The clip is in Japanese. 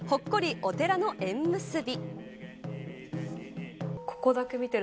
お寺の縁結び。